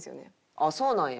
ああそうなんや。